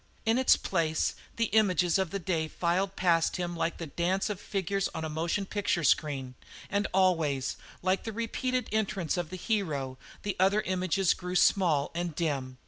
In its place the images of the day filed past him like the dance of figures on a motion picture screen, and always, like the repeated entrance of the hero, the other images grew small and dim.